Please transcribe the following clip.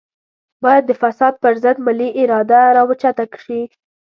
بايد د فساد پر ضد ملي اراده راوچته شي.